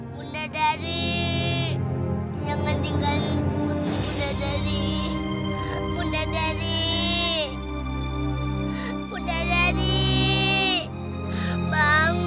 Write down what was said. bunda dari jangan tinggalin putri bunda dari bunda dari bunda dari bangun